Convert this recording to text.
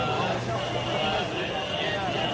สวัสดีครับสวัสดีครับ